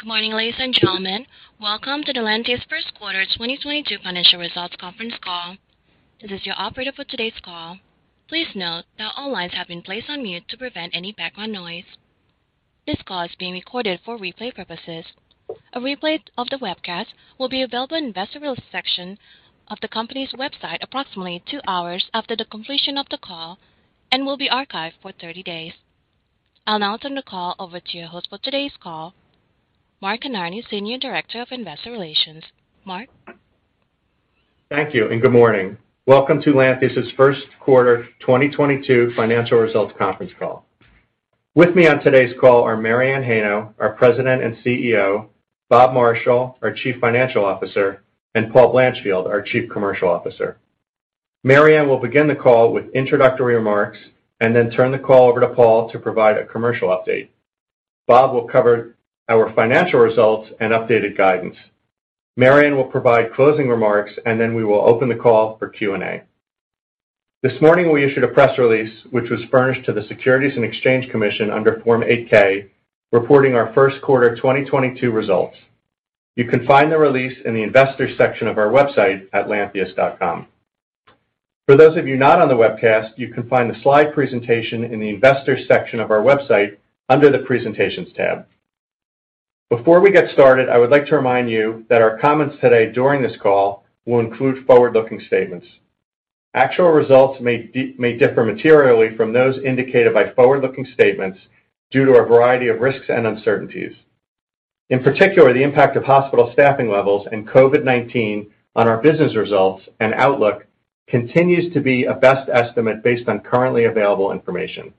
Good morning, ladies and gentlemen. Welcome to Lantheus first quarter 2022 financial results conference call. This is your operator for today's call. Please note that all lines have been placed on mute to prevent any background noise. This call is being recorded for replay purposes. A replay of the webcast will be available in Investor Relations section of the company's website approximately 2 hours after the completion of the call and will be archived for 30 days. I'll now turn the call over to your host for today's call, Mark Kinarney, Senior Director of Investor Relations. Mark. Thank you and good morning. Welcome to Lantheus' first quarter 2022 financial results conference call. With me on today's call are Mary Anne Heino, our President and CEO, Bob Marshall, our Chief Financial Officer, and Paul Blanchfield, our Chief Commercial Officer. Mary Anne will begin the call with introductory remarks and then turn the call over to Paul to provide a commercial update. Bob will cover our financial results and updated guidance. Mary Anne will provide closing remarks, and then we will open the call for Q&A. This morning, we issued a press release which was furnished to the Securities and Exchange Commission under Form 8-K, reporting our first quarter 2022 results. You can find the release in the investor section of our website at lantheus.com. For those of you not on the webcast, you can find the slide presentation in the investor section of our website under the Presentations tab. Before we get started, I would like to remind you that our comments today during this call will include forward-looking statements. Actual results may differ materially from those indicated by forward-looking statements due to a variety of risks and uncertainties. In particular, the impact of hospital staffing levels and COVID-19 on our business results and outlook continues to be a best estimate based on currently available information.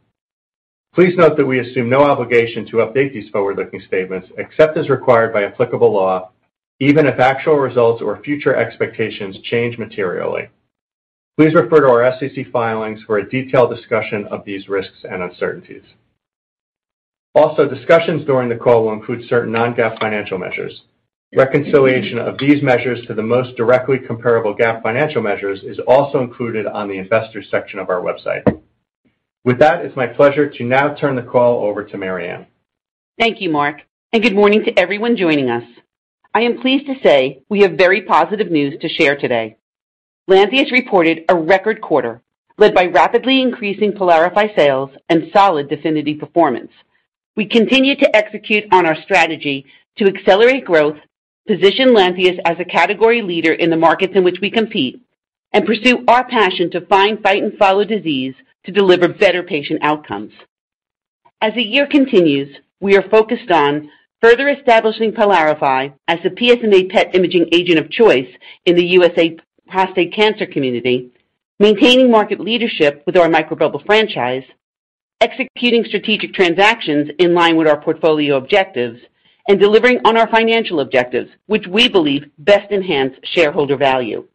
Please note that we assume no obligation to update these forward-looking statements, except as required by applicable law, even if actual results or future expectations change materially. Please refer to our SEC filings for a detailed discussion of these risks and uncertainties. Also, discussions during the call will include certain non-GAAP financial measures. Reconciliation of these measures to the most directly comparable GAAP financial measures is also included on the investor section of our website. With that, it's my pleasure to now turn the call over to Mary Anne. Thank you, Mark, and good morning to everyone joining us. I am pleased to say we have very positive news to share today. Lantheus reported a record quarter led by rapidly increasing PYLARIFY sales and solid DEFINITY performance. We continue to execute on our strategy to accelerate growth, position Lantheus as a category leader in the markets in which we compete, and pursue our passion to find, fight, and follow disease to deliver better patient outcomes. As the year continues, we are focused on further establishing PYLARIFY as the PSMA PET imaging agent of choice in the US prostate cancer community, maintaining market leadership with our microbubble franchise, executing strategic transactions in line with our portfolio objectives, and delivering on our financial objectives, which we believe best enhance shareholder value.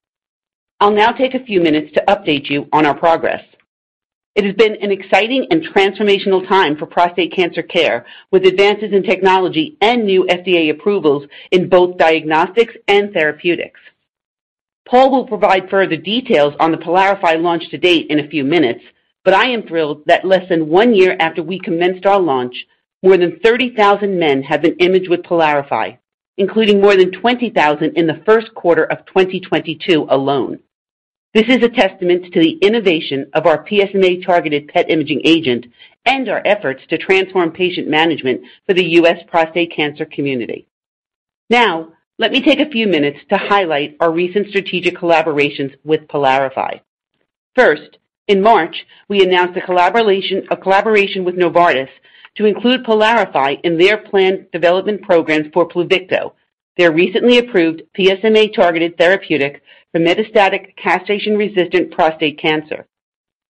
I'll now take a few minutes to update you on our progress. It has been an exciting and transformational time for prostate cancer care with advances in technology and new FDA approvals in both diagnostics and therapeutics. Paul will provide further details on the PYLARIFY launch to date in a few minutes, but I am thrilled that less than one year after we commenced our launch, more than 30,000 men have been imaged with PYLARIFY, including more than 20,000 in the first quarter of 2022 alone. This is a testament to the innovation of our PSMA-targeted PET imaging agent and our efforts to transform patient management for the U.S. prostate cancer community. Now, let me take a few minutes to highlight our recent strategic collaborations with PYLARIFY. First, in March, we announced a collaboration with Novartis to include PYLARIFY in their planned development programs for Pluvicto, their recently approved PSMA-targeted therapeutic for metastatic castrate-resistant prostate cancer.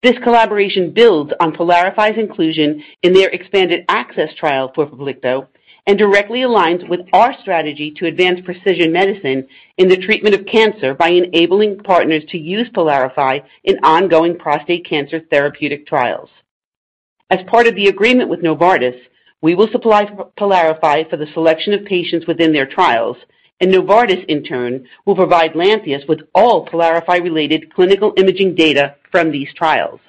This collaboration builds on PYLARIFY's inclusion in their expanded access trial for Pluvicto and directly aligns with our strategy to advance precision medicine in the treatment of cancer by enabling partners to use PYLARIFY in ongoing prostate cancer therapeutic trials. As part of the agreement with Novartis, we will supply PYLARIFY for the selection of patients within their trials, and Novartis in turn, will provide Lantheus with all PYLARIFY-related clinical imaging data from these trials.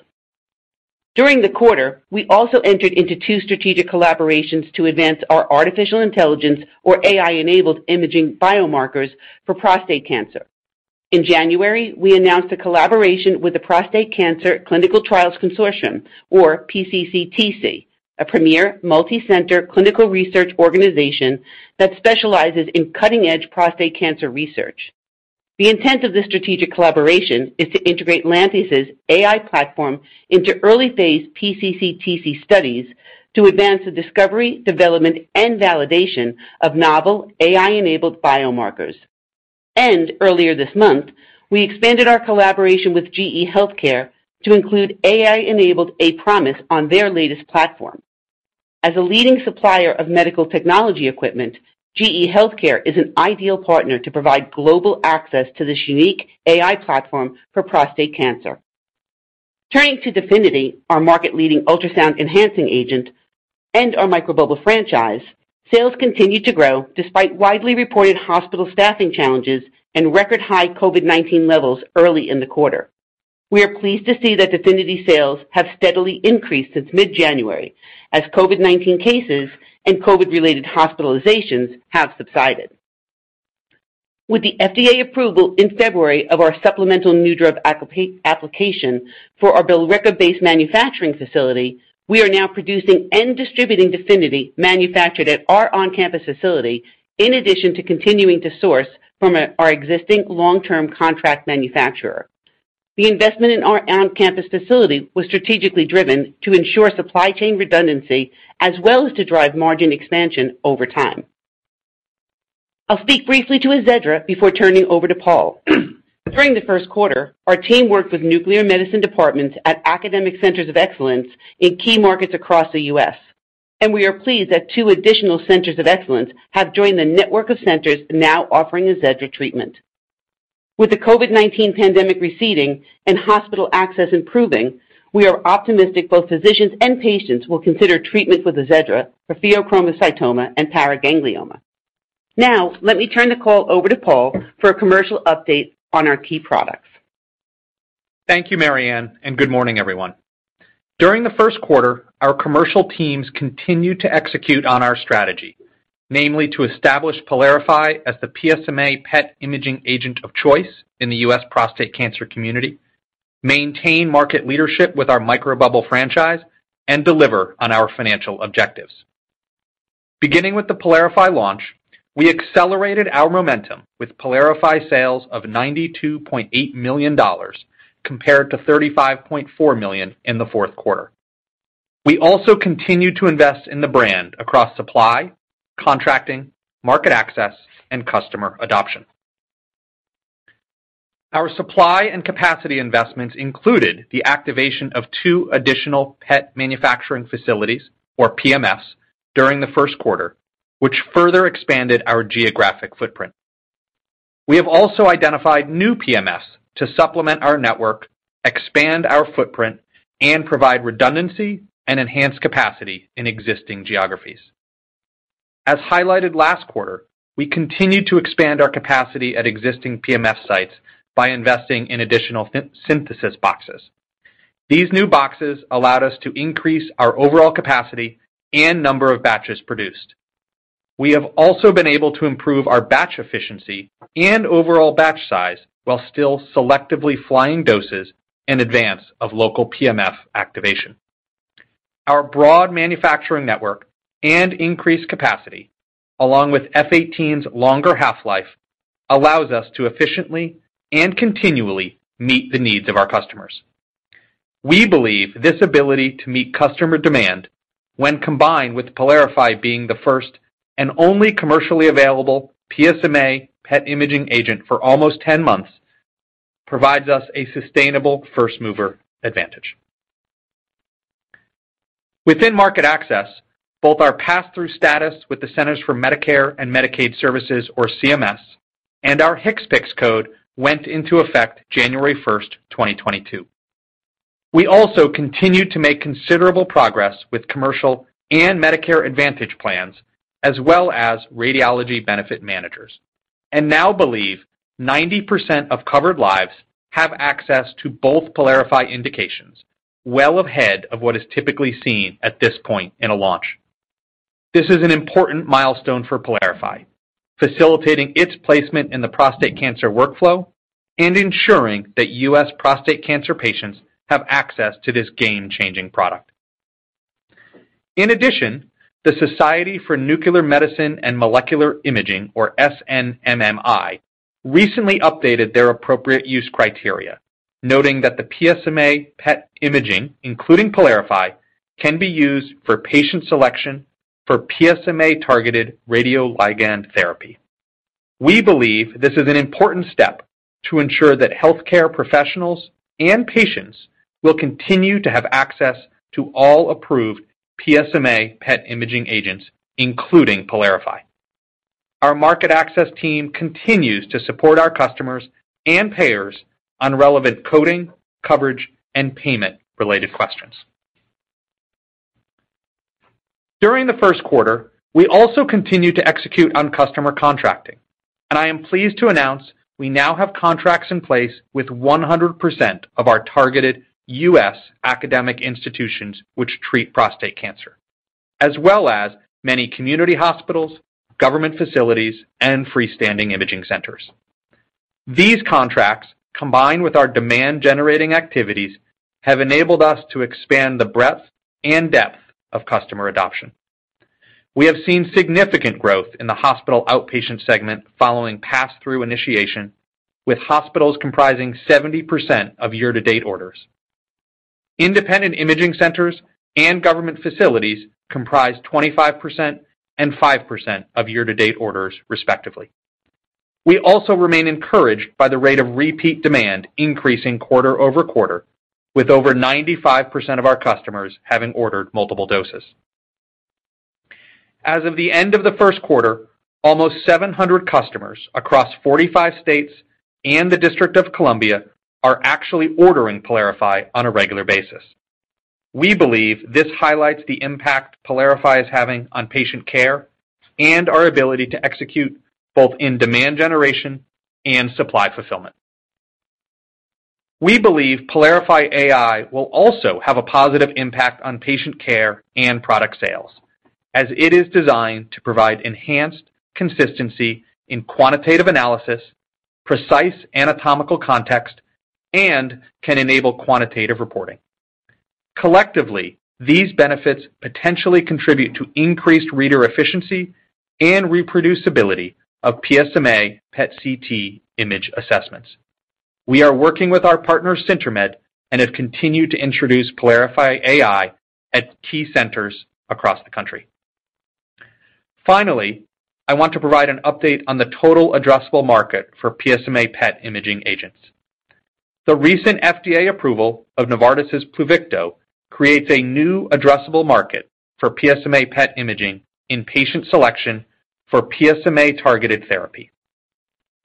During the quarter, we also entered into two strategic collaborations to advance our artificial intelligence or AI-enabled imaging biomarkers for prostate cancer. In January, we announced a collaboration with the Prostate Cancer Clinical Trials Consortium, or PCCTC, a premier multi-center clinical research organization that specializes in cutting-edge prostate cancer research. The intent of this strategic collaboration is to integrate Lantheus' AI platform into early phase PCCTC studies to advance the discovery, development, and validation of novel AI-enabled biomarkers. Earlier this month, we expanded our collaboration with GE HealthCare to include AI-enabled aPROMISE on their latest platform. As a leading supplier of medical technology equipment, GE HealthCare is an ideal partner to provide global access to this unique AI platform for prostate cancer. Turning to DEFINITY, our market-leading ultrasound enhancing agent, and our microbubble franchise, sales continued to grow despite widely reported hospital staffing challenges and record high COVID-19 levels early in the quarter. We are pleased to see that DEFINITY sales have steadily increased since mid-January as COVID-19 cases and COVID-related hospitalizations have subsided. With the FDA approval in February of our supplemental new drug application for our Billerica-based manufacturing facility, we are now producing and distributing DEFINITY manufactured at our on-campus facility, in addition to continuing to source from our existing long-term contract manufacturer. The investment in our on-campus facility was strategically driven to ensure supply chain redundancy as well as to drive margin expansion over time. I'll speak briefly to AZEDRA before turning over to Paul. During the first quarter, our team worked with nuclear medicine departments at academic centers of excellence in key markets across the U.S., and we are pleased that two additional centers of excellence have joined the network of centers now offering AZEDRA treatment. With the COVID-19 pandemic receding and hospital access improving, we are optimistic both physicians and patients will consider treatment with AZEDRA for pheochromocytoma and paraganglioma. Now, let me turn the call over to Paul for a commercial update on our key products. Thank you, Mary Anne, and good morning, everyone. During the first quarter, our commercial teams continued to execute on our strategy, namely to establish PYLARIFY as the PSMA PET imaging agent of choice in the U.S. prostate cancer community, maintain market leadership with our Microbubble franchise, and deliver on our financial objectives. Beginning with the PYLARIFY launch, we accelerated our momentum with PYLARIFY sales of $92.8 million compared to $35.4 million in the fourth quarter. We also continued to invest in the brand across supply, contracting, market access, and customer adoption. Our supply and capacity investments included the activation of two additional PET manufacturing facilities or PMFs during the first quarter, which further expanded our geographic footprint. We have also identified new PMFs to supplement our network, expand our footprint, and provide redundancy and enhanced capacity in existing geographies. As highlighted last quarter, we continued to expand our capacity at existing PMF sites by investing in additional synthesis boxes. These new boxes allowed us to increase our overall capacity and number of batches produced. We have also been able to improve our batch efficiency and overall batch size while still selectively flying doses in advance of local PMF activation. Our broad manufacturing network and increased capacity, along with F-18's longer half-life, allows us to efficiently and continually meet the needs of our customers. We believe this ability to meet customer demand, when combined with PYLARIFY being the first and only commercially available PSMA PET imaging agent for almost 10 months, provides us a sustainable first-mover advantage. Within market access, both our pass-through status with the Centers for Medicare and Medicaid Services, or CMS, and our HCPCS code went into effect January 1, 2022. We also continued to make considerable progress with commercial and Medicare Advantage plans as well as radiology benefit managers and now believe 90% of covered lives have access to both PYLARIFY indications, well ahead of what is typically seen at this point in a launch. This is an important milestone for PYLARIFY, facilitating its placement in the prostate cancer workflow and ensuring that U.S. prostate cancer patients have access to this game-changing product. In addition, the Society of Nuclear Medicine and Molecular Imaging, or SNMMI, recently updated their appropriate use criteria, noting that the PSMA PET imaging, including PYLARIFY, can be used for patient selection for PSMA-targeted radioligand therapy. We believe this is an important step to ensure that healthcare professionals and patients will continue to have access to all approved PSMA PET imaging agents, including PYLARIFY. Our market access team continues to support our customers and payers on relevant coding, coverage, and payment-related questions. During the first quarter, we also continued to execute on customer contracting, and I am pleased to announce we now have contracts in place with 100% of our targeted U.S. academic institutions which treat prostate cancer, as well as many community hospitals, government facilities, and freestanding imaging centers. These contracts, combined with our demand-generating activities, have enabled us to expand the breadth and depth of customer adoption. We have seen significant growth in the hospital outpatient segment following pass-through initiation, with hospitals comprising 70% of year-to-date orders. Independent imaging centers and government facilities comprise 25% and 5% of year-to-date orders, respectively. We also remain encouraged by the rate of repeat demand increasing quarter-over-quarter, with over 95% of our customers having ordered multiple doses. As of the end of the first quarter, almost 700 customers across 45 states and the District of Columbia are actually ordering PYLARIFY on a regular basis. We believe this highlights the impact PYLARIFY is having on patient care and our ability to execute both in demand generation and supply fulfillment. We believe PYLARIFY AI will also have a positive impact on patient care and product sales as it is designed to provide enhanced consistency in quantitative analysis, precise anatomical context, and can enable quantitative reporting. Collectively, these benefits potentially contribute to increased reader efficiency and reproducibility of PSMA PET CT image assessments. We are working with our partner CMS and have continued to introduce PYLARIFY AI at key centers across the country. Finally, I want to provide an update on the total addressable market for PSMA PET imaging agents. The recent FDA approval of Novartis Pluvicto creates a new addressable market for PSMA PET imaging in patient selection for PSMA targeted therapy.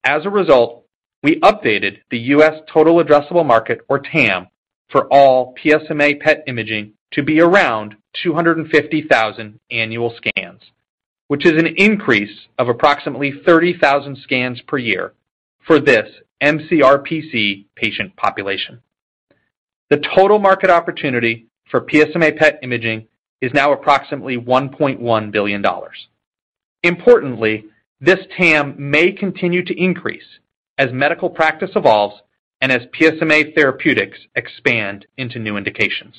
As a result, we updated the US total addressable market or TAM for all PSMA PET imaging to be around 250,000 annual scans, which is an increase of approximately 30,000 scans per year for this MCRPC patient population. The total market opportunity for PSMA PET imaging is now approximately $1.1 billion. Importantly, this TAM may continue to increase as medical practice evolves and as PSMA therapeutics expand into new indications.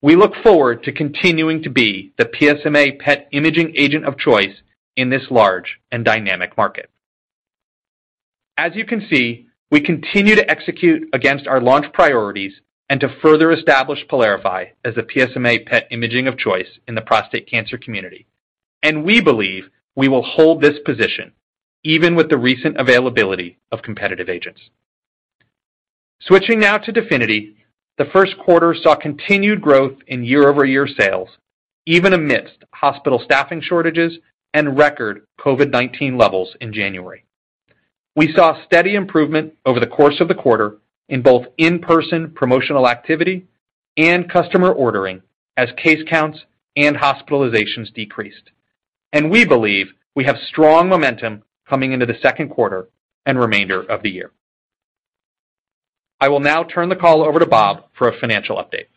We look forward to continuing to be the PSMA PET imaging agent of choice in this large and dynamic market. As you can see, we continue to execute against our launch priorities and to further establish PYLARIFY as a PSMA PET imaging of choice in the prostate cancer community, and we believe we will hold this position even with the recent availability of competitive agents. Switching now to DEFINITY. The first quarter saw continued growth in year-over-year sales, even amidst hospital staffing shortages and record COVID-19 levels in January. We saw steady improvement over the course of the quarter in both in-person promotional activity and customer ordering as case counts and hospitalizations decreased, and we believe we have strong momentum coming into the second quarter and remainder of the year. I will now turn the call over to Bob for a financial update.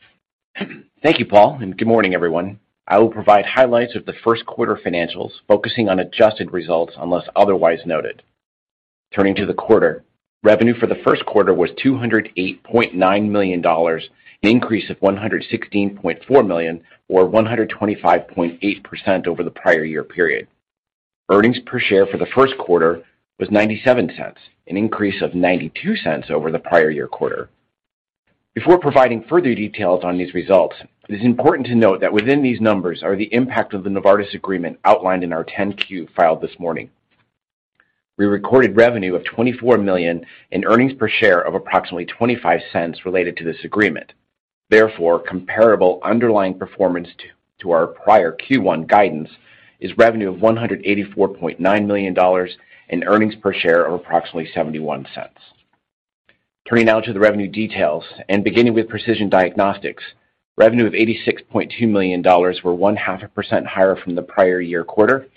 Thank you, Paul, and good morning, everyone. I will provide highlights of the first quarter financials, focusing on adjusted results unless otherwise noted. Turning to the quarter, revenue for the first quarter was $208.9 million, an increase of $116.4 million or 125.8% over the prior year period. Earnings per share for the first quarter was $0.97, an increase of $0.92 over the prior year quarter. Before providing further details on these results, it is important to note that within these numbers are the impact of the Novartis agreement outlined in our 10-Q filed this morning. We recorded revenue of $24 million and earnings per share of approximately $0.25 related to this agreement. Therefore, comparable underlying performance to our prior Q1 guidance is revenue of $184.9 million and earnings per share of approximately $0.71. Turning now to the revenue details and beginning with Precision Diagnostics. Revenue of $86.2 million was 0.5% higher from the prior-year quarter.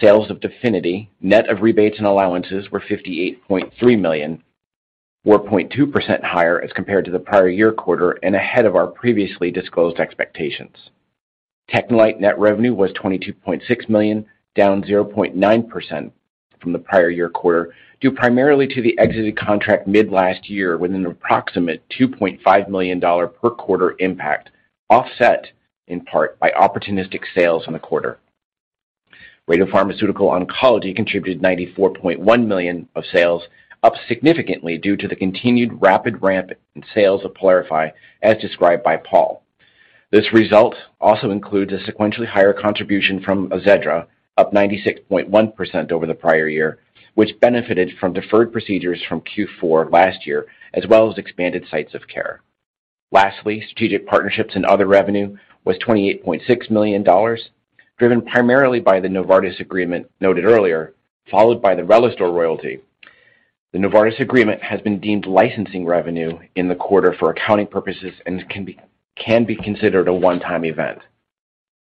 Sales of DEFINITY net of rebates and allowances were $58.3 million, or 0.2% higher as compared to the prior-year quarter and ahead of our previously disclosed expectations. TechneLite net revenue was $22.6 million, down 0.9% from the prior-year quarter, due primarily to the exited contract mid last year with an approximate $2.5 million per quarter impact, offset in part by opportunistic sales in the quarter. Radiopharmaceutical Oncology contributed $94.1 million of sales, up significantly due to the continued rapid ramp in sales of PYLARIFY as described by Paul. This result also includes a sequentially higher contribution from AZEDRA, up 96.1% over the prior year, which benefited from deferred procedures from Q4 last year, as well as expanded sites of care. Lastly, strategic partnerships and other revenue was $28.6 million, driven primarily by the Novartis agreement noted earlier, followed by the RELISTOR royalty. The Novartis agreement has been deemed licensing revenue in the quarter for accounting purposes and can be considered a one-time event.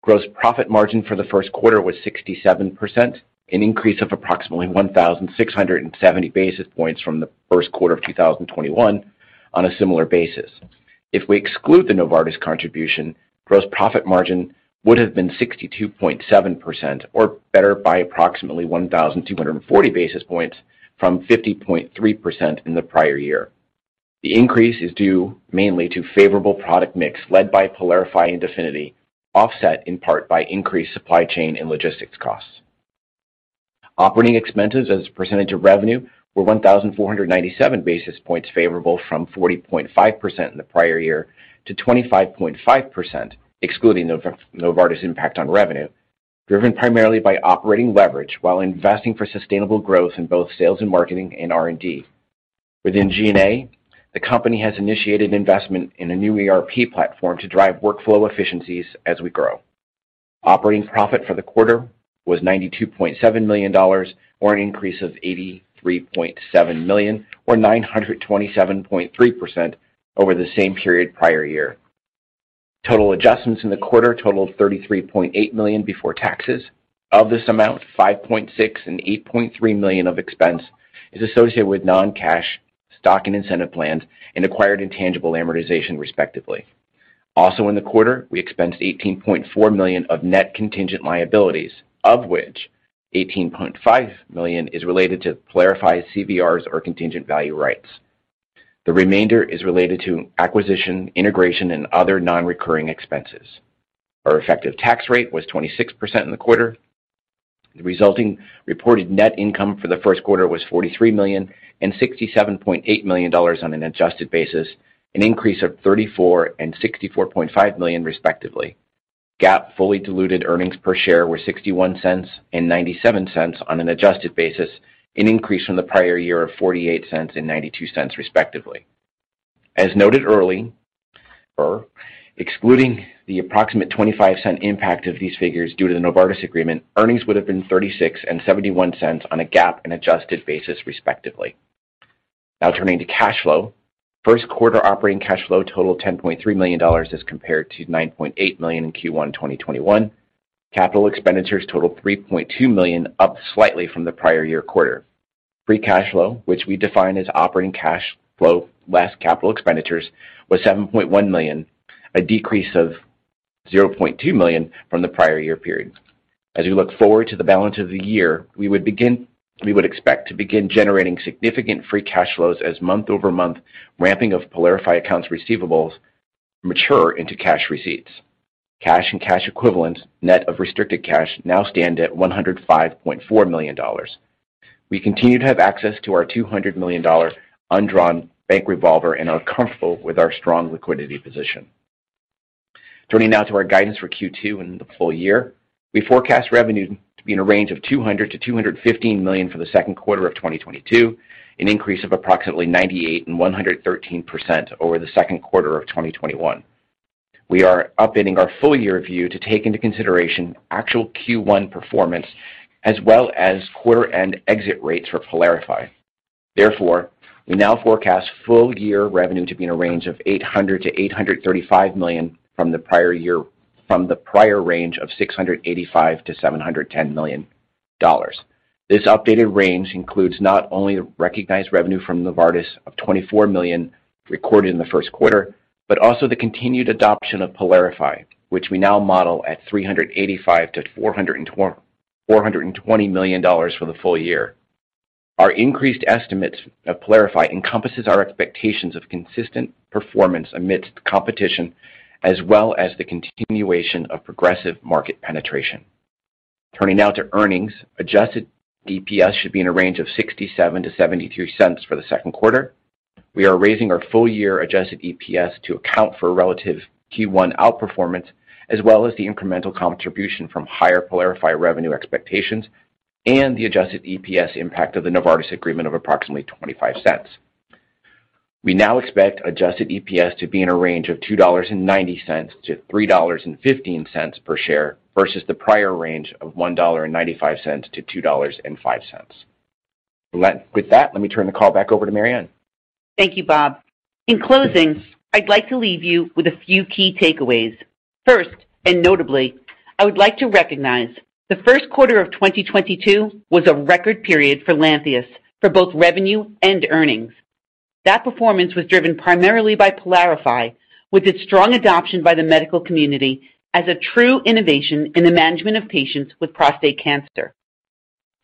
Gross profit margin for the first quarter was 67%, an increase of approximately 1,670 basis points from the first quarter of 2021 on a similar basis. If we exclude the Novartis contribution, gross profit margin would have been 62.7% or better by approximately 1,240 basis points from 50.3% in the prior year. The increase is due mainly to favorable product mix led by PYLARIFY and DEFINITY, offset in part by increased supply chain and logistics costs. Operating expenses as a percentage of revenue were 1,497 basis points favorable from 40.5% in the prior year to 25.5% excluding Novartis impact on revenue, driven primarily by operating leverage while investing for sustainable growth in both sales and marketing and R&D. Within G&A, the company has initiated investment in a new ERP platform to drive workflow efficiencies as we grow. Operating profit for the quarter was $92.7 million or an increase of $83.7 million or 927.3% over the same period prior year. Total adjustments in the quarter totaled $33.8 million before taxes. Of this amount, $5.6 million and $8.3 million of expense is associated with non-cash stock and incentive plans and acquired intangible amortization, respectively. Also, in the quarter, we expensed $18.4 million of net contingent liabilities, of which $18.5 million is related to PYLARIFY CVRs or contingent value rights. The remainder is related to acquisition, integration, and other non-recurring expenses. Our effective tax rate was 26% in the quarter. The resulting reported net income for the first quarter was $43 million and $67.8 million on an adjusted basis, an increase of $34 million and $64.5 million, respectively. GAAP fully diluted earnings per share were $0.61 and $0.97 on an adjusted basis, an increase from the prior year of $0.48 and $0.92, respectively. As noted earlier, excluding the approximate $0.25 impact of these figures due to the Novartis agreement, earnings would have been $0.36 and $0.71 on a GAAP and adjusted basis, respectively. Now turning to cash flow. First quarter operating cash flow totaled $10.3 million as compared to $9.8 million in Q1 2021. Capital expenditures totaled $3.2 million, up slightly from the prior year quarter. Free cash flow, which we define as operating cash flow less capital expenditures, was $7.1 million, a decrease of $0.2 million from the prior year period. As we look forward to the balance of the year, we would expect to begin generating significant free cash flows as month-over-month ramping of PYLARIFY accounts receivables mature into cash receipts. Cash and cash equivalents, net of restricted cash, now stand at $105.4 million. We continue to have access to our $200 million undrawn bank revolver and are comfortable with our strong liquidity position. Turning now to our guidance for Q2 and the full year. We forecast revenue to be in a range of $200 million to $215 million for the second quarter of 2022, an increase of approximately 98%-113% over the second quarter of 2021. We are updating our full year view to take into consideration actual Q1 performance as well as quarter end exit rates for PYLARIFY. Therefore, we now forecast full year revenue to be in a range of $800 million to $835 million from the prior year, from the prior range of $685 million-$710 million. This updated range includes not only the recognized revenue from Novartis of $24 million recorded in the first quarter, but also the continued adoption of PYLARIFY, which we now model at $385 million to $420 million for the full year. Our increased estimates of PYLARIFY encompasses our expectations of consistent performance amidst competition as well as the continuation of progressive market penetration. Turning now to earnings. Adjusted EPS should be in a range of $0.67 to $0.73 for the second quarter. We are raising our full year adjusted EPS to account for relative Q1 outperformance, as well as the incremental contribution from higher PYLARIFY revenue expectations and the adjusted EPS impact of the Novartis agreement of approximately $0.25. We now expect adjusted EPS to be in a range of $2.90 to $3.15 per share versus the prior range of $1.95-$2.05. With that, let me turn the call back over to Mary Anne. Thank you, Bob. In closing, I'd like to leave you with a few key takeaways. First, and notably, I would like to recognize the first quarter of 2022 was a record period for Lantheus for both revenue and earnings. That performance was driven primarily by PYLARIFY with its strong adoption by the medical community as a true innovation in the management of patients with prostate cancer.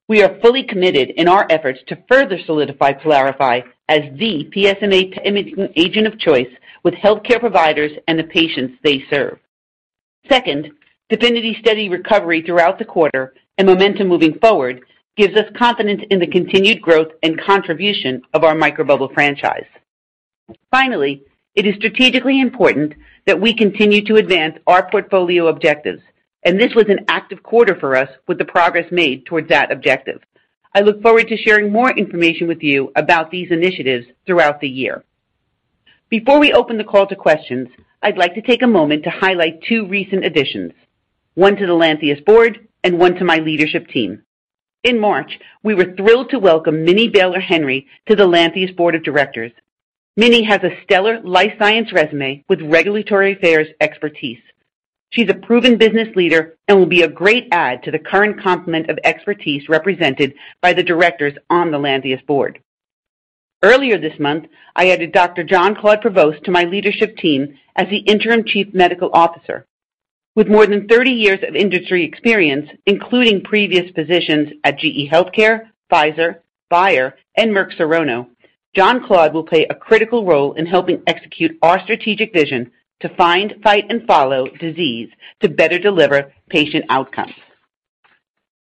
We are fully committed in our efforts to further solidify PYLARIFY as the PSMA imaging agent of choice with healthcare providers and the patients they serve. Second, DEFINITY's steady recovery throughout the quarter and momentum moving forward gives us confidence in the continued growth and contribution of our microbubble franchise. Finally, it is strategically important that we continue to advance our portfolio objectives, and this was an active quarter for us with the progress made towards that objective. I look forward to sharing more information with you about these initiatives throughout the year. Before we open the call to questions, I'd like to take a moment to highlight two recent additions, one to the Lantheus board and one to my leadership team. In March, we were thrilled to welcome Minnie Baylor-Henry to the Lantheus board of directors. Minnie has a stellar life science resume with regulatory affairs expertise. She's a proven business leader and will be a great add to the current complement of expertise represented by the directors on the Lantheus board. Earlier this month, I added Dr. Jean-Claude Provost to my leadership team as the Interim Chief Medical Officer. With more than 30 years of industry experience, including previous positions at GE HealthCare, Pfizer, Bayer, and Merck Serono, Jean-Claude will play a critical role in helping execute our strategic vision to find, fight, and follow disease to better deliver patient outcomes.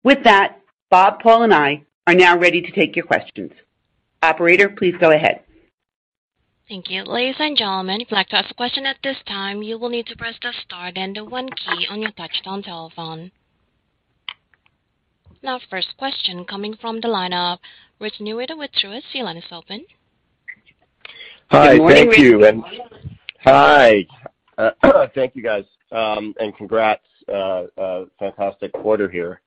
With that, Bob, Paul and I are now ready to take your questions. Operator, please go ahead. Thank you. Ladies and gentlemen, if you'd like to ask a question at this time, you will need to press the star then the one key on your touch-tone telephone. Now first question coming from the line of Rich Newitter with Truist. Your line is open. Hi. Thank you. Good morning. Hi. Thank you guys. And congrats. Fantastic quarter here.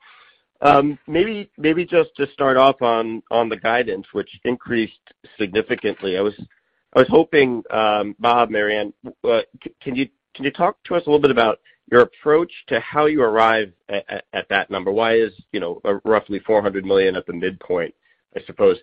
Maybe just to start off on the guidance, which increased significantly. I was hoping, Bob, Mary Anne, can you talk to us a little bit about your approach to how you arrive at that number? Why is, you know, roughly $400 million at the midpoint, I suppose.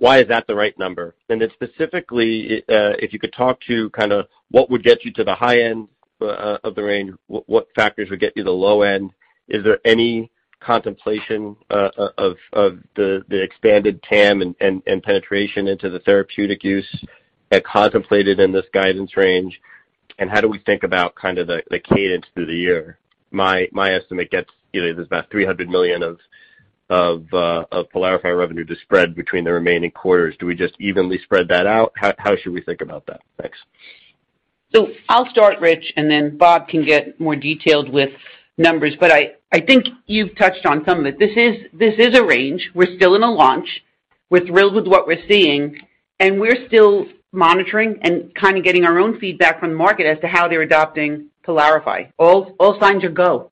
Why is that the right number? And then specifically, if you could talk to kinda what would get you to the high end of the range, what factors would get you the low end? Is there any contemplation of the expanded TAM and penetration into the therapeutic use contemplated in this guidance range? And how do we think about kind of the cadence through the year? My estimate gets, you know, there's about $300 million of PYLARIFY revenue to spread between the remaining quarters. Do we just evenly spread that out? How should we think about that? Thanks. I will start, Rich, and then Bob can get more detailed with numbers. I think you've touched on some of it. This is a range. We're still in a launch. We're thrilled with what we're seeing, and we're still monitoring and kinda getting our own feedback from the market as to how they're adopting PYLARIFY. All signs are go.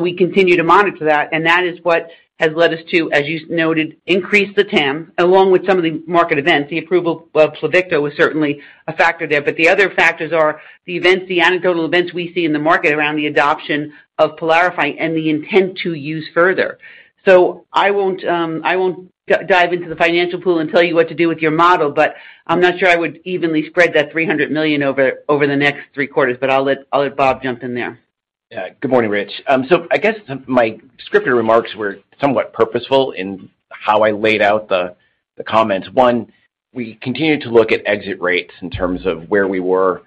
We continue to monitor that, and that is what has led us to, as you noted, increase the TAM along with some of the market events. The approval of Pluvicto was certainly a factor there. The other factors are the events, the anecdotal events we see in the market around the adoption of PYLARIFY and the intent to use further. I won't dive into the financial pool and tell you what to do with your model, but I'm not sure I would evenly spread that $300 million over the next three quarters. I'll let Bob jump in there. Yeah. Good morning, Rich. I guess some of my scripted remarks were somewhat purposeful in how I laid out the comments. We continue to look at exit rates in terms of where we were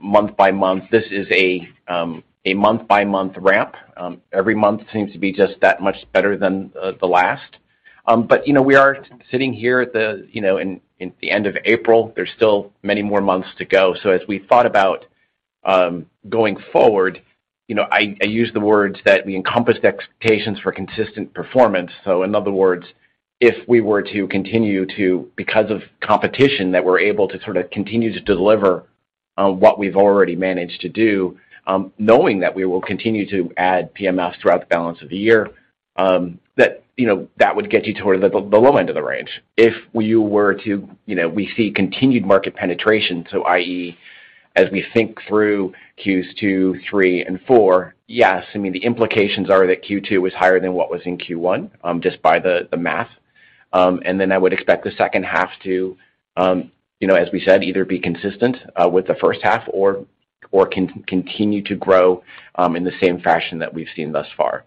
month by month. This is a month-by-month ramp. Every month seems to be just that much better than the last. But you know, we are sitting here at the end of April. There's still many more months to go. As we thought about going forward, you know, I use the words that we encompassed expectations for consistent performance. In other words, if we were to continue to because of competition, that we're able to sort of continue to deliver what we've already managed to do, knowing that we will continue to add PMFs throughout the balance of the year, that you know that would get you toward the low end of the range. If you were to you know we see continued market penetration, so i.e., as we think through Q2, Q3 and Q4, yes, I mean, the implications are that Q2 was higher than what was in Q1 just by the math. And then I would expect the second half to you know as we said, either be consistent with the first half or continue to grow in the same fashion that we've seen thus far.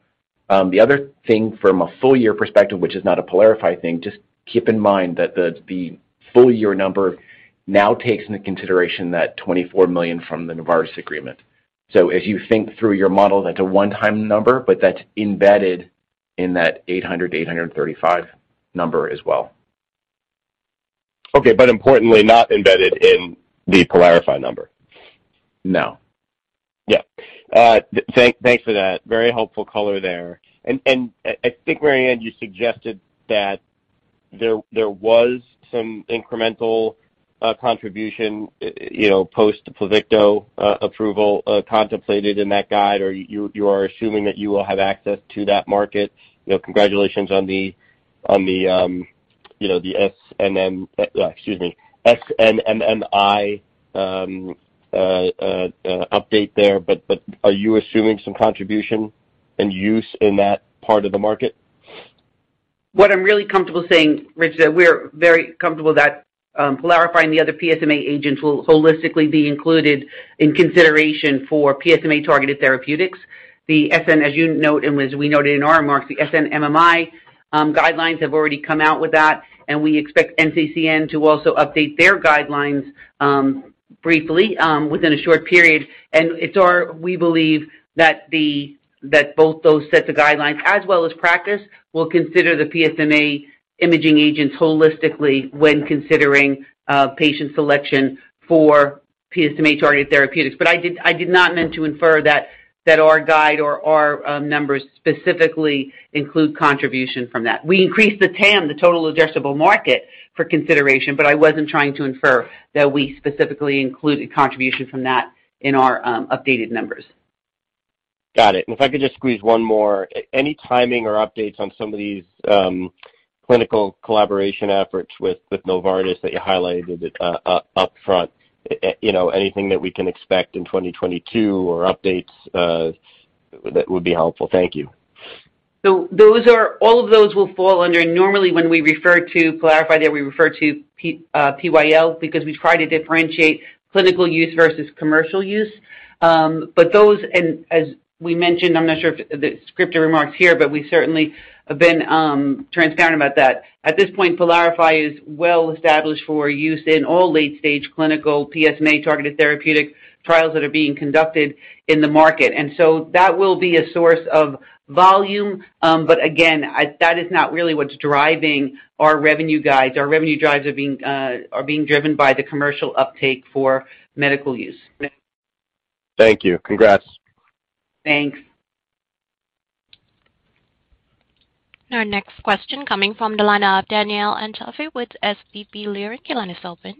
The other thing from a full year perspective, which is not a PYLARIFY thing, just keep in mind that the full year number now takes into consideration that $24 million from the Novartis agreement. As you think through your model, that's a one-time number, but that's embedded in that $800 million-$835 million number as well. Importantly not embedded in the PYLARIFY number. No. Yeah. Thanks for that. Very helpful color there. I think, Mary Anne, you suggested that there was some incremental contribution, you know, post Pluvicto approval, contemplated in that guide, or you are assuming that you will have access to that market. You know, congratulations on the SNMMI update there, but are you assuming some contribution and use in that part of the market? What I'm really comfortable saying, Rich, that we're very comfortable that PYLARIFY and the other PSMA agents will holistically be included in consideration for PSMA-targeted therapeutics. The SNMMI, as you note, and as we noted in our remarks, the SNMMI guidelines have already come out with that, and we expect NCCN to also update their guidelines briefly within a short period. We believe that both those sets of guidelines as well as practice will consider the PSMA imaging agents holistically when considering patient selection for PSMA-targeted therapeutics. I did not mean to infer that our guidance or our numbers specifically include contribution from that. We increased the TAM, the total addressable market for consideration, but I wasn't trying to infer that we specifically included contribution from that in our updated numbers. Got it. If I could just squeeze one more. Any timing or updates on some of these clinical collaboration efforts with Novartis that you highlighted up front? You know, anything that we can expect in 2022 or updates that would be helpful. Thank you. All of those will fall under normally when we refer to PYLARIFY there, we refer to PYL because we try to differentiate clinical use versus commercial use. But those, and as we mentioned, I'm not sure if the scripted remarks here, but we certainly have been transparent about that. At this point, PYLARIFY is well established for use in all late-stage clinical PSMA-targeted therapeutic trials that are being conducted in the market. That will be a source of volume. But again, that is not really what's driving our revenue guidance. Our revenue guidance is being driven by the commercial uptake for commercial use. Thank you. Congrats. Thanks. Our next question coming from the line of Danielle Antalffy with SVB Leerink. Your line is open.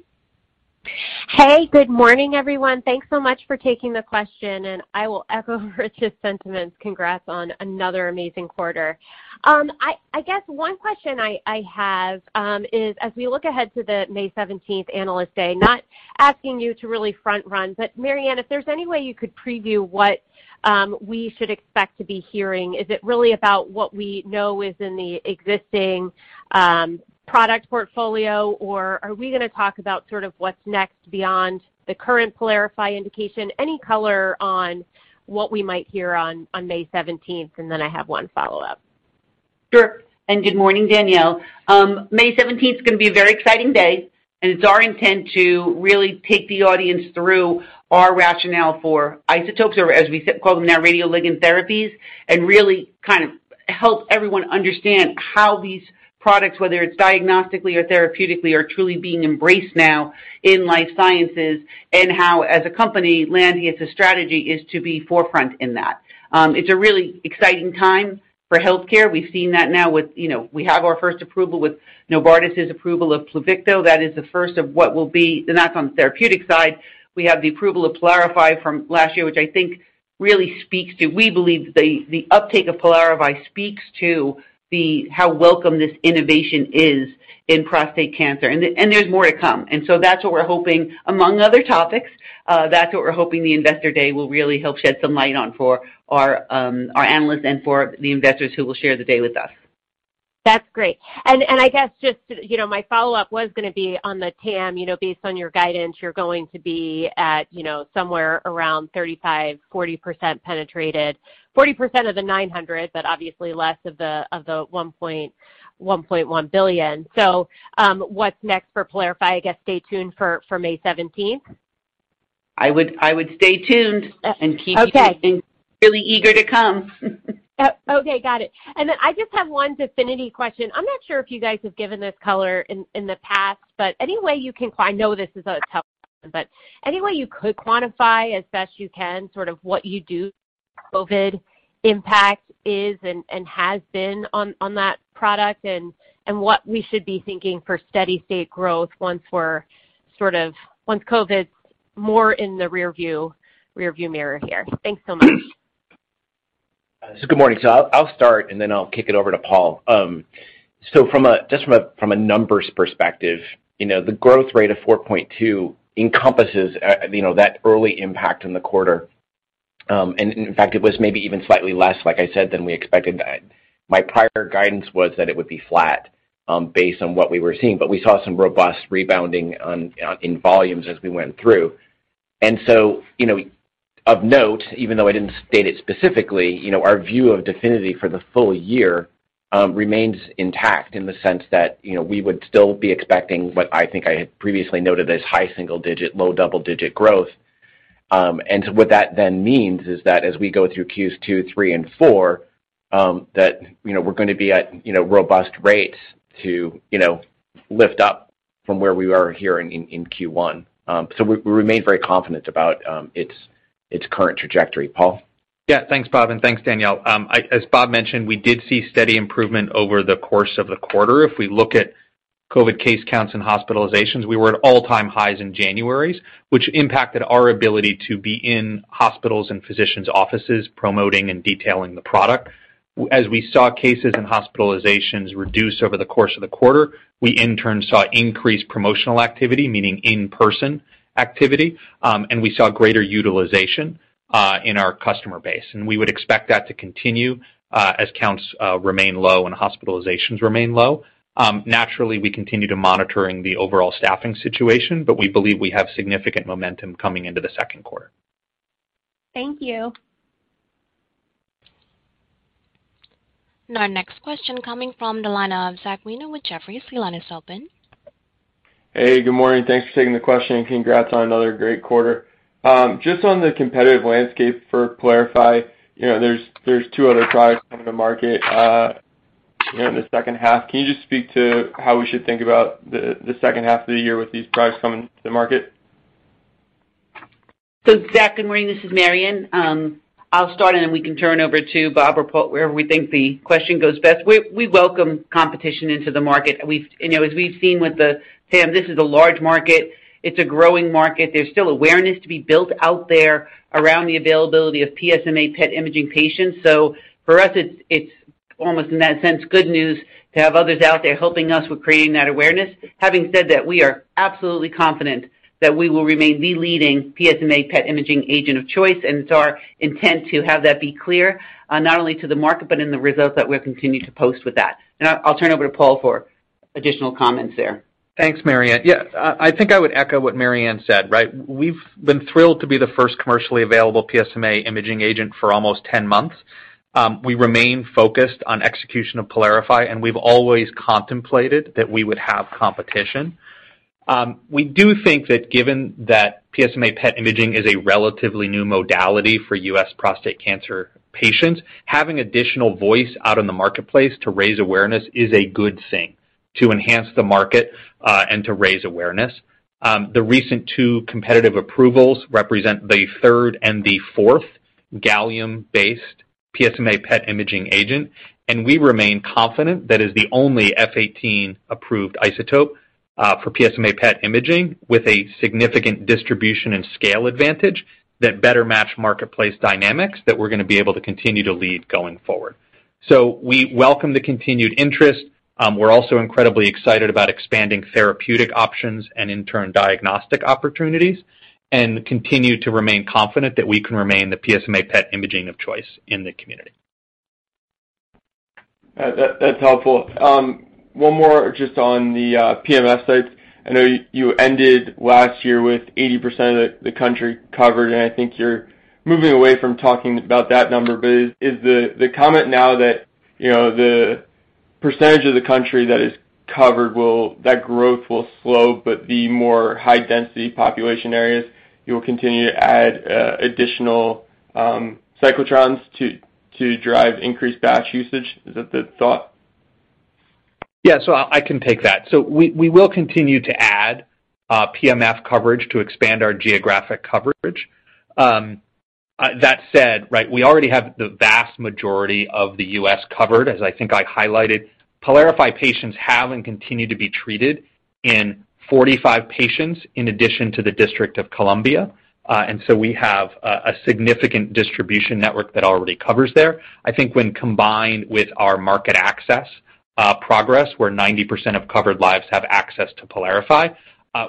Hey, good morning, everyone. Thanks so much for taking the question, and I will echo Rich's sentiments. Congrats on another amazing quarter. I guess one question I have is as we look ahead to the May seventeenth Analyst Day, not asking you to really front-run, but Mary Anne, if there's any way you could preview what we should expect to be hearing, is it really about what we know is in the existing product portfolio, or are we gonna talk about sort of what's next beyond the current PYLARIFY indication? Any color on what we might hear on May seventeenth? And then I have one follow-up. Sure. Good morning, Danielle. May seventeenth is gonna be a very exciting day, and it's our intent to really take the audience through our rationale for isotopes or as we call them now, radioligand therapies, and really kind of help everyone understand how these products, whether it's diagnostically or therapeutically, are truly being embraced now in life sciences and how, as a company, Lantheus' strategy is to be forefront in that. It's a really exciting time for healthcare. We've seen that now with, you know, we have our first approval with Novartis' approval of Pluvicto. That is the first of what will be. That's on the therapeutic side. We have the approval of PYLARIFY from last year, which I think really speaks to, we believe, the uptake of PYLARIFY speaks to how welcome this innovation is in prostate cancer, and there's more to come. That's what we're hoping, among other topics, the Investor Day will really help shed some light on for our analysts and for the investors who will share the day with us. That's great. I guess just, you know, my follow-up was gonna be on the TAM. You know, based on your guidance, you're going to be at, you know, somewhere around 35%-40% penetrated, 40% of the $900 million, but obviously less of the $1.1 billion. What's next for PYLARIFY? I guess stay tuned for May seventeenth? I would stay tuned and keep. Okay. Really eager to come. Okay, got it. Then I just have one DEFINITY question. I'm not sure if you guys have given this color in the past, but any way you can, I know this is a tough one, but any way you could quantify as best you can sort of what the COVID impact is and has been on that product and what we should be thinking for steady state growth once COVID's more in the rearview mirror here. Thanks so much. Good morning. I'll start, and then I'll kick it over to Paul. From a numbers perspective, you know, the growth rate of 4.2% encompasses, you know, that early impact in the quarter. In fact, it was maybe even slightly less, like I said, than we expected. My prior guidance was that it would be flat, based on what we were seeing, but we saw some robust rebounding in volumes as we went through. You know, of note, even though I didn't state it specifically, you know, our view of DEFINITY for the full year remains intact in the sense that, you know, we would still be expecting what I think I had previously noted as high single-digit, low double-digit growth. What that then means is that as we go through Q2, Q3, and Q4, you know, we're gonna be at, you know, robust rates to, you know, lift up from where we were here in Q1. We remain very confident about its current trajectory. Paul? Yeah. Thanks, Bob, and thanks, Danielle. As Bob mentioned, we did see steady improvement over the course of the quarter. If we look at COVID case counts and hospitalizations, we were at all-time highs in January, which impacted our ability to be in hospitals and physicians' offices promoting and detailing the product. As we saw cases and hospitalizations reduce over the course of the quarter, we in turn saw increased promotional activity, meaning in-person activity, and we saw greater utilization in our customer base. We would expect that to continue as counts remain low and hospitalizations remain low. Naturally, we continue to monitor the overall staffing situation, but we believe we have significant momentum coming into the second quarter. Thank you. Now next question coming from the line of Zach Weiner with Jefferies. Your line is open. Hey, good morning. Thanks for taking the question, and congrats on another great quarter. Just on the competitive landscape for PYLARIFY, you know, there's two other products coming to market, you know, in the second half. Can you just speak to how we should think about the second half of the year with these products coming to the market? Zach, good morning. This is Mary Anne. I'll start, and then we can turn over to Bob or Paul, wherever we think the question goes best. We welcome competition into the market. We've, you know, as we've seen with the TAM, this is a large market. It's a growing market. There's still awareness to be built out there around the availability of PSMA PET imaging patients. For us it's almost in that sense, good news to have others out there helping us with creating that awareness. Having said that, we are absolutely confident that we will remain the leading PSMA PET imaging agent of choice, and it's our intent to have that be clear, not only to the market but in the results that we'll continue to post with that. Now I'll turn over to Paul for additional comments there. Thanks, Mary Anne. Yeah, I think I would echo what Mary Anne said, right? We've been thrilled to be the first commercially available PSMA imaging agent for almost 10 months. We remain focused on execution of PYLARIFY, and we've always contemplated that we would have competition. We do think that given that PSMA PET imaging is a relatively new modality for U.S. prostate cancer patients, having additional voice out in the marketplace to raise awareness is a good thing. To enhance the market, and to raise awareness. The recent 2 competitive approvals represent the third and the fourth gallium-based PSMA PET imaging agent, and we remain confident that is the only F-18 approved isotope, for PSMA PET imaging with a significant distribution and scale advantage that better match marketplace dynamics that we're gonna be able to continue to lead going forward. We welcome the continued interest. We're also incredibly excited about expanding therapeutic options and in turn diagnostic opportunities and continue to remain confident that we can remain the PSMA PET imaging of choice in the community. That's helpful. One more just on the PMF sites. I know you ended last year with 80% of the country covered, and I think you're moving away from talking about that number, but is the comment now that, you know, the percentage of the country that is covered, that growth will slow, but the more high density population areas you'll continue to add additional cyclotrons to drive increased batch usage. Is that the thought? Yeah. I can take that. We will continue to add PMF coverage to expand our geographic coverage. That said, right, we already have the vast majority of the U.S. covered, as I think I highlighted. PYLARIFY patients have and continue to be treated in 45 states in addition to the District of Columbia. We have a significant distribution network that already covers there. I think when combined with our market access progress, where 90% of covered lives have access to PYLARIFY,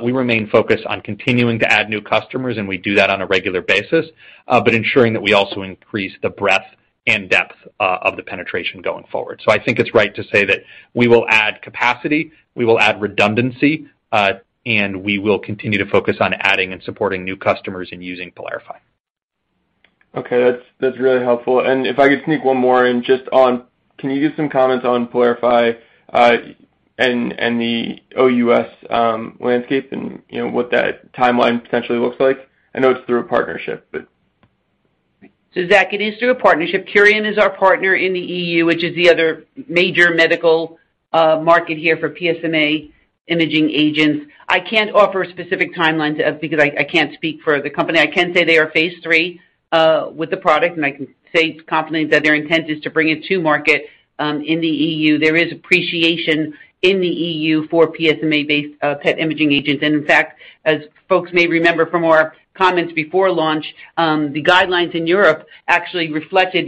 we remain focused on continuing to add new customers, and we do that on a regular basis, but ensuring that we also increase the breadth and depth of the penetration going forward. I think it's right to say that we will add capacity, we will add redundancy, and we will continue to focus on adding and supporting new customers in using PYLARIFY. Okay. That's really helpful. If I could sneak one more in just on PYLARIFY and the OUS landscape and, you know, what that timeline potentially looks like? I know it's through a partnership, but. Zach, it is through a partnership. Curium is our partner in the EU, which is the other major medical market here for PSMA imaging agents. I can't offer specific timelines because I can't speak for the company. I can say they are phase three with the product, and I can say confidently that their intent is to bring it to market in the EU. There is appreciation in the EU for PSMA-based PET imaging agents. In fact, as folks may remember from our comments before launch, the guidelines in Europe actually reflected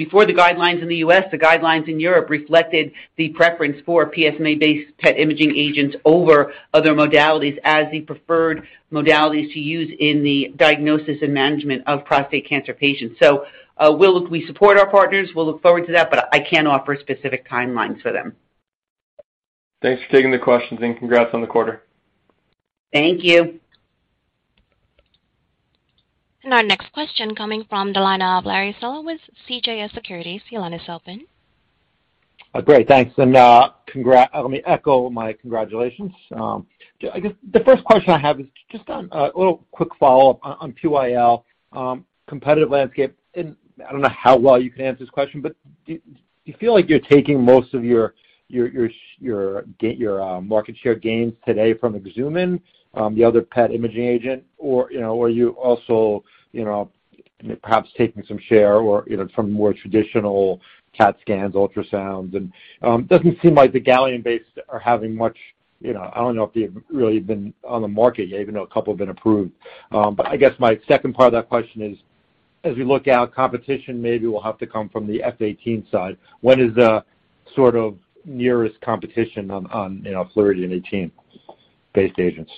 the preference for PSMA-based PET imaging agents over other modalities as the preferred modalities to use in the diagnosis and management of prostate cancer patients before the guidelines in the U.S. we support our partners, we'll look forward to that, but I can't offer specific timelines for them. Thanks for taking the questions, and congrats on the quarter. Thank you. Our next question coming from the line of Larry Solow with CJS Securities. Your line is open. Great. Thanks. Let me echo my congratulations. I guess the first question I have is just on a little quick follow-up on PYL, competitive landscape. I don't know how well you can answer this question, but do you feel like you're taking most of your market share gains today from Axumin, the other PET imaging agent? Or, you know, are you also, you know, perhaps taking some share or, you know, some more traditional CT scans, ultrasounds? It doesn't seem like the gallium-based are having much, you know. I don't know if they've really been on the market yet, even though a couple have been approved. I guess my second part of that question is, as we look out, competition maybe will have to come from the F-18 side. When is the sort of nearest competition on, you know, fluorine-18-based agents?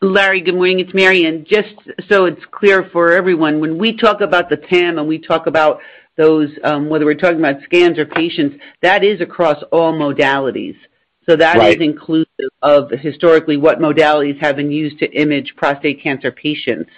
Larry, good morning. It's Mary. Just so it's clear for everyone, when we talk about the TAM and we talk about those, whether we're talking about scans or patients, that is across all modalities. Right. That is inclusive of historically what modalities have been used to image prostate cancer patients.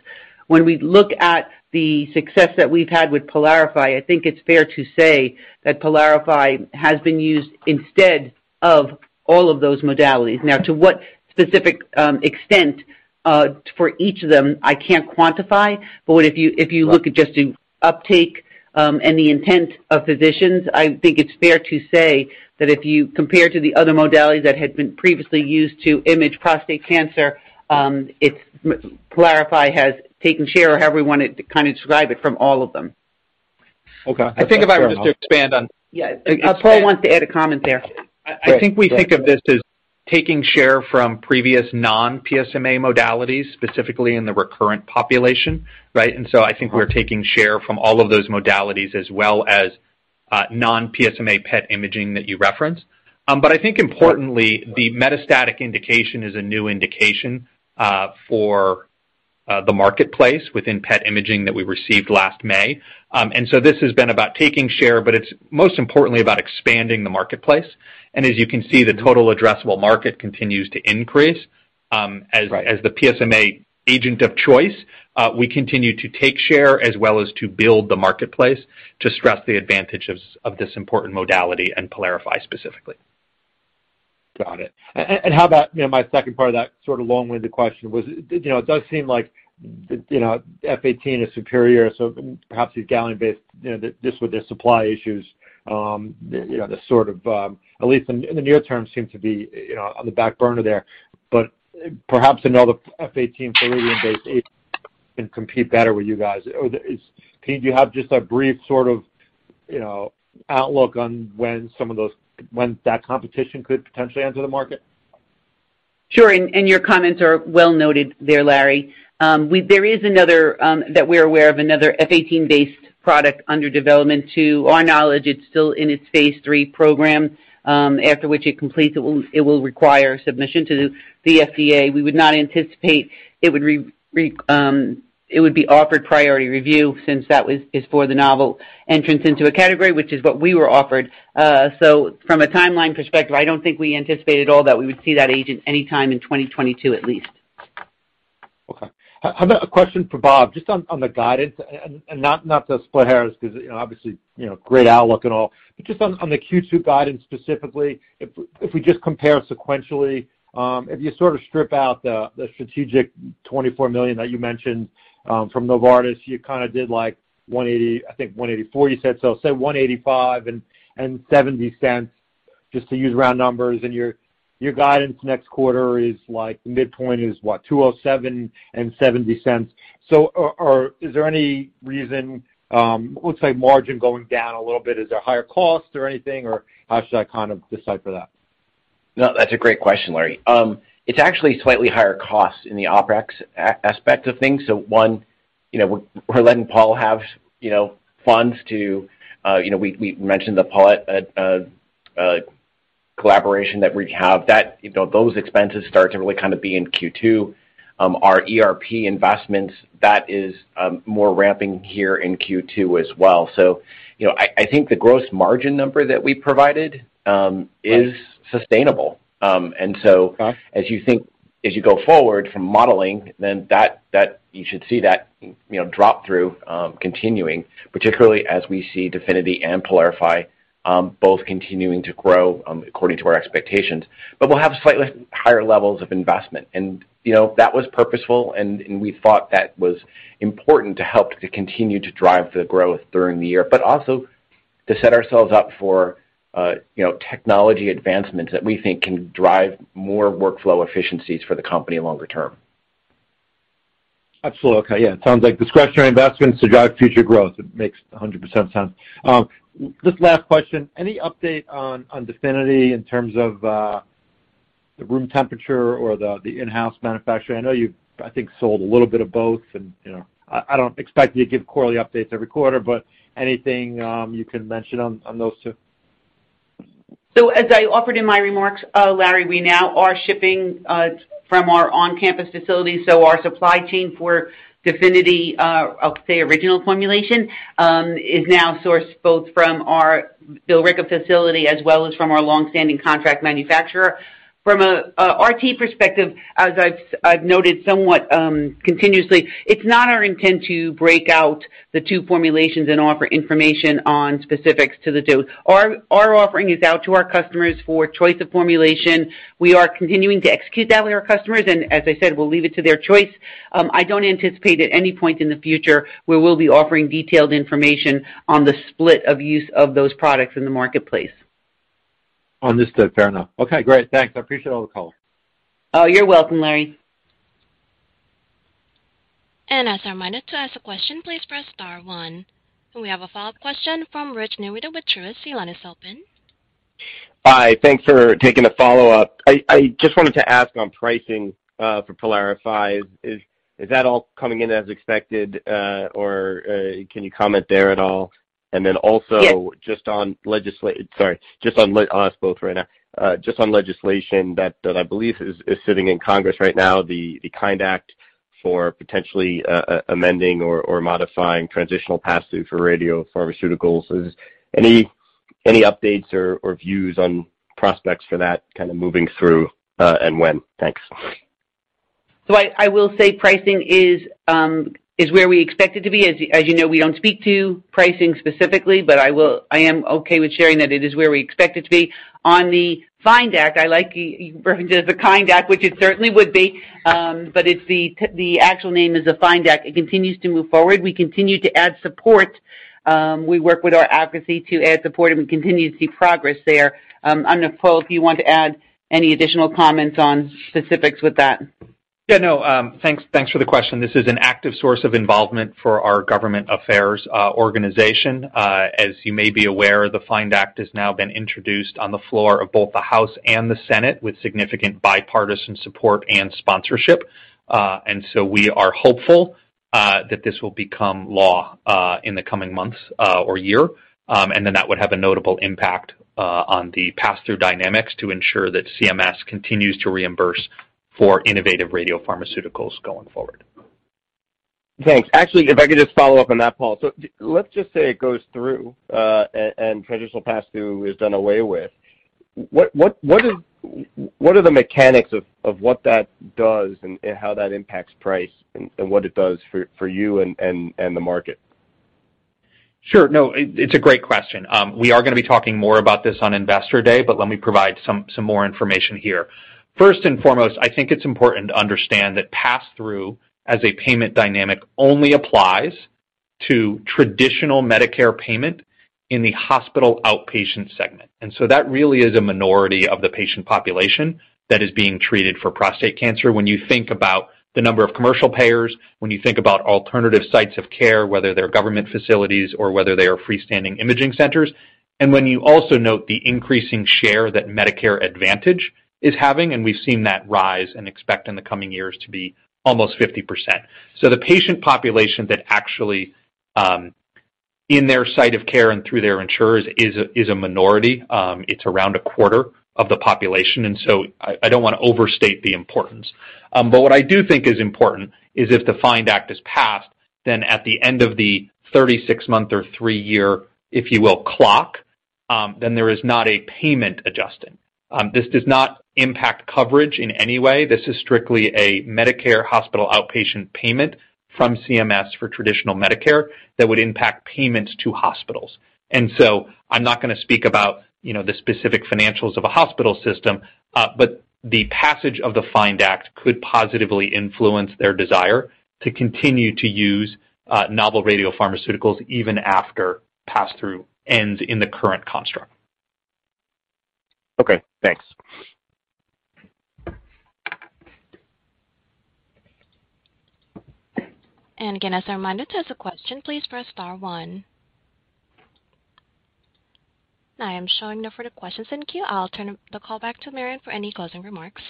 When we look at the success that we've had with PYLARIFY, I think it's fair to say that PYLARIFY has been used instead of all of those modalities. Now, to what specific extent for each of them, I can't quantify. If you look at just the uptake and the intent of physicians, I think it's fair to say that if you compare to the other modalities that had been previously used to image prostate cancer, PYLARIFY has taken share or however you want it to kinda describe it from all of them. Okay. I think if I were just to expand on. Yeah. Paul wants to add a comment there. I think we think of this as taking share from previous non-PSMA modalities, specifically in the recurrent population, right? I think we're taking share from all of those modalities as well as non-PSMA PET imaging that you referenced. I think importantly, the metastatic indication is a new indication for the marketplace within PET imaging that we received last May. This has been about taking share, but it's most importantly about expanding the marketplace. As you can see, the total addressable market continues to increase. Right. As the PSMA agent of choice, we continue to take share as well as to build the marketplace to stress the advantages of this important modality and PYLARIFY specifically. Got it. How about, you know, my second part of that sort of long-winded question was, you know, it does seem like, you know, F-18 is superior, so perhaps these gallium-based, you know, this with their supply issues, you know, the sort of, at least in the near term, seem to be, you know, on the back burner there. Perhaps all the F-18 fluorine-based agents can compete better with you guys. Or can you have just a brief sort of, you know, outlook on when that competition could potentially enter the market? Sure. Your comments are well noted there, Larry. We are aware of another F-18-based product under development. To our knowledge, it's still in its phase 3 program, after which it completes, it will require submission to the FDA. We would not anticipate it would be offered priority review since that is for the novel entrance into a category, which is what we were offered. From a timeline perspective, I don't think we anticipate at all that we would see that agent anytime in 2022 at least. Okay. How about a question for Bob just on the guidance and not to split hairs because obviously, you know, great outlook and all. Just on the Q2 guidance specifically, if we just compare sequentially, if you sort of strip out the strategic $24 million that you mentioned from Novartis, you kinda did like $180 million. I think $184 million you said. Say $185 million and $0.70 just to use round numbers. Your guidance next quarter is like midpoint is what? $207 million and $0.70. Is there any reason, let's say margin going down a little bit, is there higher cost or anything, or how should I kind of decipher that? No, that's a great question, Larry. It's actually slightly higher cost in the OpEx aspect of things. One, you know, we're letting Paul have, you know, funds to, you know, we mentioned the collaboration that we have. That, you know, those expenses start to really kind of be in Q2. Our ERP investments, that is, more ramping here in Q2 as well. You know, I think the gross margin number that we provided is sustainable. And so Okay As you go forward from modeling, then that you should see that, you know, drop through continuing, particularly as we see DEFINITY and PYLARIFY both continuing to grow according to our expectations. We'll have slightly higher levels of investment. You know, that was purposeful, and we thought that was important to help to continue to drive the growth during the year, but also to set ourselves up for, you know, technology advancements that we think can drive more workflow efficiencies for the company longer term. Absolutely. Okay. Yeah, it sounds like discretionary investments to drive future growth. It makes 100% sense. This last question, any update on DEFINITY in terms of the room temperature or the in-house manufacturing? I know you've, I think, sold a little bit of both and, you know, I don't expect you to give quarterly updates every quarter, but anything you can mention on those two? As I offered in my remarks, Larry, we now are shipping from our on-campus facility. Our supply chain for DEFINITY, I'll say original formulation, is now sourced both from our Billerica facility as well as from our long-standing contract manufacturer. From a RT perspective, as I've noted somewhat continuously, it's not our intent to break out the two formulations and offer information on specifics to the two. Our offering is out to our customers for choice of formulation. We are continuing to execute that with our customers, and as I said, we'll leave it to their choice. I don't anticipate at any point in the future we will be offering detailed information on the split of use of those products in the marketplace. Understood. Fair enough. Okay, great. Thanks. I appreciate all the color. Oh, you're welcome, Larry. As a reminder to ask a question, please press star one. We have a follow-up question from Rich Newitter with Truist. Your line is open. Hi. Thanks for taking the follow-up. I just wanted to ask on pricing for PYLARIFY. Is that all coming in as expected? Or can you comment there at all? Yes I'll ask both right now. Just on legislation that I believe is sitting in Congress right now, the FIND Act for potentially amending or modifying transitional pass-through for radiopharmaceuticals. Is any updates or views on prospects for that kind of moving through, and when? Thanks. I will say pricing is where we expect it to be. As you know, we don't speak to pricing specifically, but I am okay with sharing that it is where we expect it to be. On the FIND Act, I like you referenced it as the FIND Act, which it certainly would be, but the actual name is the FIND Act. It continues to move forward. We continue to add support. We work with our advocacy to add support, and we continue to see progress there. I don't know, Paul, if you want to add any additional comments on specifics with that. Yeah, no. Thanks for the question. This is an active source of involvement for our government affairs organization. As you may be aware, the FIND Act has now been introduced on the floor of both the House and the Senate with significant bipartisan support and sponsorship. We are hopeful that this will become law in the coming months or year. That would have a notable impact on the pass-through dynamics to ensure that CMS continues to reimburse for innovative radiopharmaceuticals going forward. Thanks. Actually, if I could just follow up on that, Paul. Let's just say it goes through, and traditional pass-through is done away with. What are the mechanics of what that does and how that impacts price and what it does for you and the market? Sure. No, it's a great question. We are gonna be talking more about this on Investor Day, but let me provide some more information here. First and foremost, I think it's important to understand that pass-through as a payment dynamic only applies. To traditional Medicare payment in the hospital outpatient segment. That really is a minority of the patient population that is being treated for prostate cancer. When you think about the number of commercial payers, when you think about alternative sites of care, whether they're government facilities or whether they are freestanding imaging centers, and when you also note the increasing share that Medicare Advantage is having, and we've seen that rise and expect in the coming years to be almost 50%. The patient population that actually in their site of care and through their insurers is a minority. It's around a quarter of the population. I don't wanna overstate the importance. What I do think is important is if the FIND Act is passed, then at the end of the 36-month or 3-year, if you will, clock, then there is not a payment adjustment. This does not impact coverage in any way. This is strictly a Medicare hospital outpatient payment from CMS for traditional Medicare that would impact payments to hospitals. I'm not gonna speak about, you know, the specific financials of a hospital system, but the passage of the FIND Act could positively influence their desire to continue to use novel radiopharmaceuticals even after pass-through ends in the current construct. Okay, thanks. Again, as a reminder, to ask a question, please press star one. I am showing no further questions in queue. I'll turn the call back to Mary Anne for any closing remarks.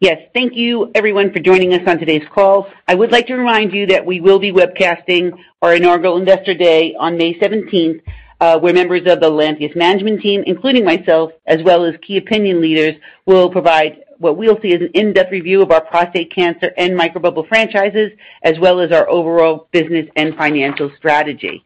Yes. Thank you everyone for joining us on today's call. I would like to remind you that we will be webcasting our inaugural Investor Day on May seventeenth, where members of the Lantheus management team, including myself, as well as key opinion leaders, will provide what we'll see as an in-depth review of our prostate cancer and microbubble franchises, as well as our overall business and financial strategy.